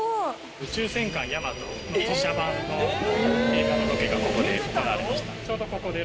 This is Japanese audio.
『宇宙戦艦ヤマト』の実写版の映画のロケがここで行われました。